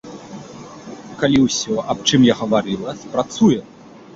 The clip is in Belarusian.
Калі ўсё, аб чым я гаварыла, спрацуе.